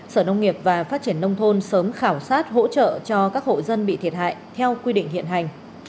sở nông nghiệp và phát triển nông thôn sớm khảo sát hỗ trợ cho các hộ dân bị thiệt hại theo quy định hiện hành